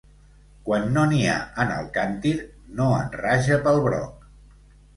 Quan no n'hi ha en el càntir, no en raja pel broc.